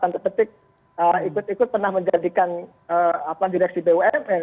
yang seperti ikut ikut pernah menjadikan direksi bumn